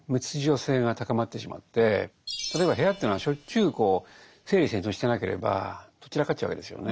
性が高まってしまって例えば部屋というのはしょっちゅう整理整頓してなければとっ散らかっちゃうわけですよね。